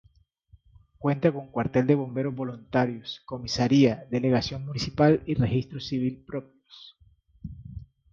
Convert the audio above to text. Cuenta con Cuartel de Bomberos Voluntarios, Comisaría, Delegación Municipal y Registro Civil propios.